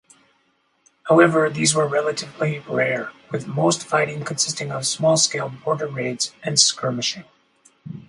However, these were relatively rare, with most fighting consisting of small-scale border-raids and skirmishing.